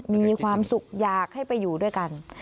มีความสุขอยากให้ไปอยู่ด้วยกัน